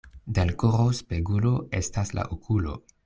De l' koro spegulo estas la okulo.